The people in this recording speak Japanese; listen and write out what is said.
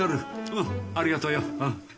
うんありがとよ。